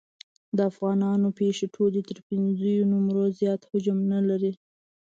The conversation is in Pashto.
د افغانانو پښې ټولې تر پېنځو نمبرو زیات حجم نه لري.